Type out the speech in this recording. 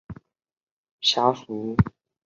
新西兰岩虾原属海螯虾科海螯虾属。